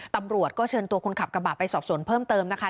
ตำรวจก็เชิญตัวคนขับกระบะไปสอบสวนเพิ่มเติมนะคะ